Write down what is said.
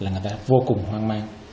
người ta vô cùng hoang mang